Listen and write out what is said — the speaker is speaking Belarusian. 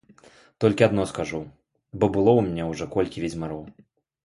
Толькі адно скажу, бо было ў мяне ўжо колькі ведзьмароў.